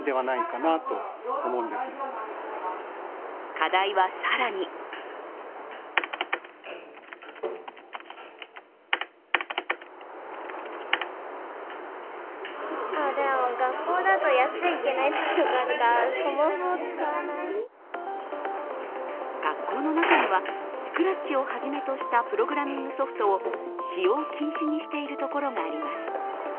課題は更に学校の中にはスクラッチをはじめとしたプログラミングソフトを使用禁止にしているところがあります。